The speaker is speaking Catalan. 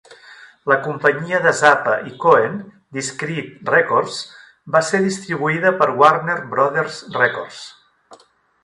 La companyia de Zappa i Cohen, Discreet Records, va ser distribuïda per Warner Brothers Records.